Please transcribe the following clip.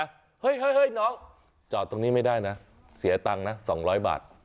เฮ้ยน้องจอดตรงนี้ไม่ได้นะเสียตังค์นะ๒๐๐บาท